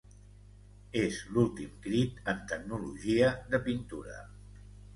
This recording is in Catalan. És l'últim crit en tecnologia de pintura.